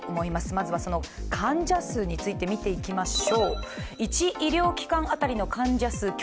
まずは患者数について見ていきましょう。